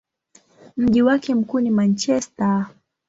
Mji wake mkuu ni Manchester.